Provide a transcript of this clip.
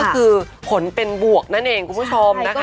ก็คือผลเป็นบวกนั่นเองคุณผู้ชมนะคะ